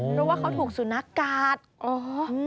เพราะว่าเขาถูกสุนักการณ์